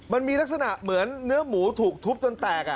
มันมีลักษณะเหมือนเนื้อหมูถูกทุบจนแตก